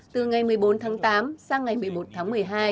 từ ngày một mươi bốn tháng tám sang ngày một mươi một tháng một mươi hai